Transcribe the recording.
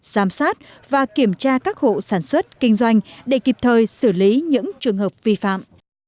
giám sát và kiểm tra các hộ sản xuất kinh doanh để kịp thời xử lý những trường hợp vi phạm